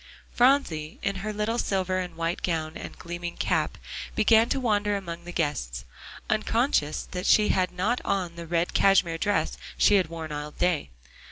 Phronsie, in her little silver and white gown and gleaming cap, began to wander among the guests, unconscious that she had not on the red cashmere dress she had worn all day.